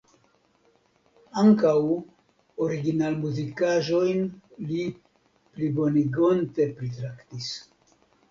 Ankaŭ originalmuzikaĵojn li plibonigonte pritraktis.